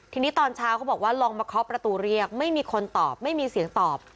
ทีนี้ตอนเช้าเขาบอกว่าลองมาเคาะประตูเรียกไม่มีคนตอบไม่มีเสียงตอบ